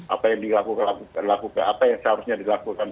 apa yang dilakukan apa yang seharusnya dilakukan